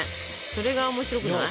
それが面白くない？